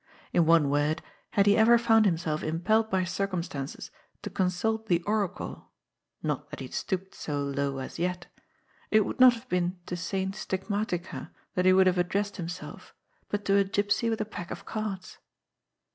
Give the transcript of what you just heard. In one word, had he ever found himself impelled by circumstances to consult the Oracle — not that he had stooped so low as yet — it would not have been to Saint Stigmatica that he would have addressed himself, but to a gipsy with a pack of cards.